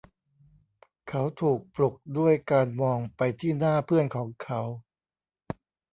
เขาถูกปลุกด้วยการมองไปที่หน้าเพื่อนของเขา